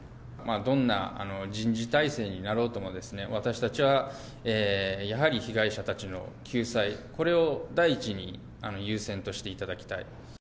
どんな人事体制になろうとも、私たちはやはり被害者たちの救済、これを第一に、優先としていただ